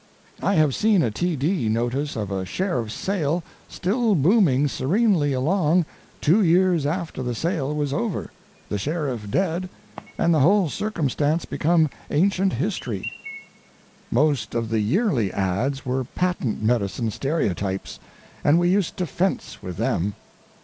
I have seen a "td" notice of a sheriff's sale still booming serenely along two years after the sale was over, the sheriff dead, and the whole circumstance become ancient history. Most of the yearly ads were patent medicine stereotypes, and we used to fence with them.